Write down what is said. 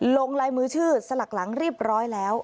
ลงลายมือชื่อสลักหลังเรียบร้อยแล้ว